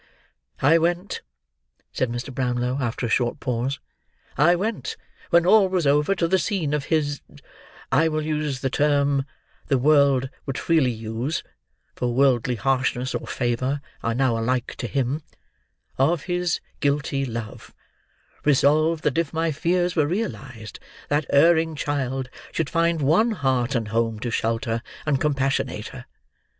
"I went," said Mr. Brownlow, after a short pause, "I went, when all was over, to the scene of his—I will use the term the world would freely use, for worldly harshness or favour are now alike to him—of his guilty love, resolved that if my fears were realised that erring child should find one heart and home to shelter and compassionate her.